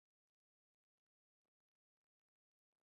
有时它亦指黑洞辐射的熵含量开始降低的瞬间。